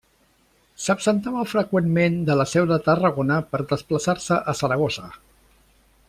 S'absentava freqüentment de la Seu de Tarragona per desplaçar-se a Saragossa.